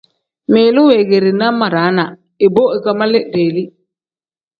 Ngmiilu weegeerina madaana ibo ikangmiili deeli.